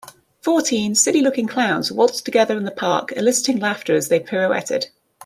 Fourteen silly looking clowns waltzed together in the park eliciting laughter as they pirouetted.